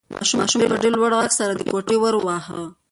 ماشوم په ډېر لوړ غږ سره د کوټې ور واهه.